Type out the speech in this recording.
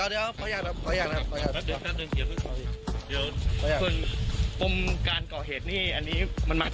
ตอนที่เราแผนเขาเนี่ยตอนนั้นเขาลงที่สะเป็น